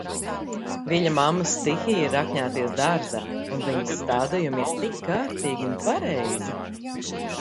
Viļa mammas stihija ir rakņāties dārzā un viņas stādījumi ir tik kārtīgi un pareizi.